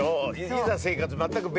いざ生活。